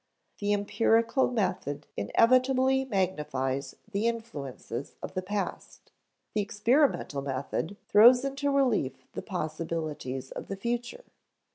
The empirical method inevitably magnifies the influences of the past; the experimental method throws into relief the possibilities of the future.